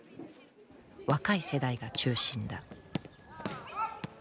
若い世代が中心だ。